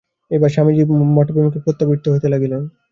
এইবার স্বামীজী মঠাভিমুখে প্রত্যাবৃত্ত হইতে লাগিলেন।